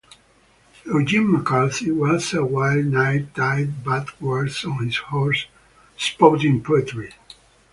Eugene McCarthy was a white knight tied backwards on his horse, spouting poetry.